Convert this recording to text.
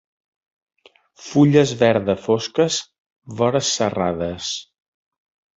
Fulles verda fosques, vores serrades.